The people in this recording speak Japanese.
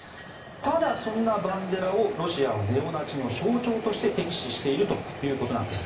ただ、そんなバンデラをロシアはネオナチの象徴として敵視しているということなんです。